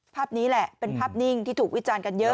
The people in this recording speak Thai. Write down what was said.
ภาพนี้แหละเป็นภาพนิ่งที่ถูกวิจารณ์กันเยอะ